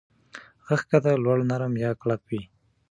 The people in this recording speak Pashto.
غږ کښته، لوړ، نرم یا کلک وي.